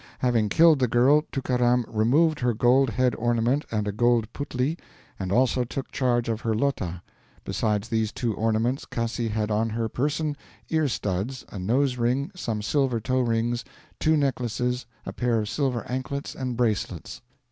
Having killed the girl, Tookaram removed her gold head ornament and a gold 'putlee', and also took charge of her 'lota'. Besides these two ornaments Cassi had on her person ear studs, a nose ring, some silver toe rings, two necklaces, a pair of silver anklets and bracelets.